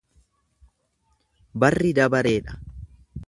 Barri dabareedha.